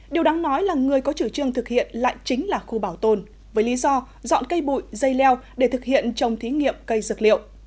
điều đáng nói là người có chủ trương thực hiện lại chính là khu bảo tồn với lý do dọn cây bụi dây leo để thực hiện trồng thí nghiệm cây dược liệu